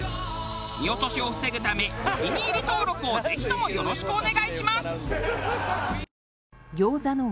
見落としを防ぐためお気に入り登録をぜひともよろしくお願いします。